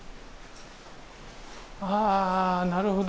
ああなるほど。